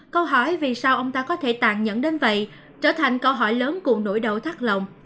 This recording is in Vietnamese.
câu hỏi vì sao ông ta có thể tàn nhẫn đến vậy trở thành câu hỏi lớn của nỗi đầu thắt lòng